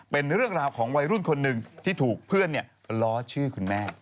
เป็นเรื่องราวของวัยรุ่นคนหนึ่งที่ถูกเพื่อนล้อชื่อคุณแม่